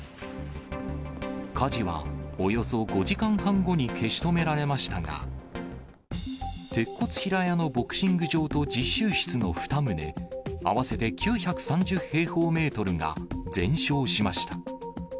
火事はおよそ５時間半後に消し止められましたが、鉄骨平屋のボクシング場と実習室の２棟合わせて９３０平方メートルが全焼しました。